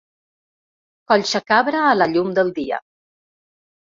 Collsacabra a la llum del dia.